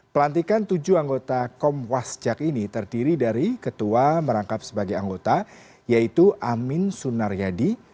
pelantikan tujuh anggota komwasjak ini terdiri dari ketua merangkap sebagai anggota yaitu amin sunaryadi